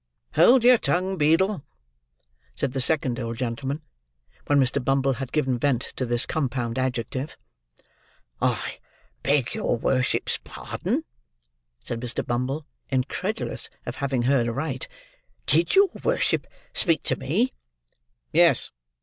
"Hold your tongue, Beadle," said the second old gentleman, when Mr. Bumble had given vent to this compound adjective. "I beg your worship's pardon," said Mr. Bumble, incredulous of having heard aright. "Did your worship speak to me?" "Yes.